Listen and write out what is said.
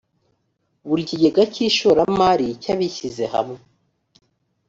buri kigega cy ishoramari cy abishyizehamwe